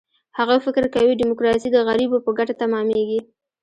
هغوی فکر کوي، ډیموکراسي د غریبو په ګټه تمامېږي.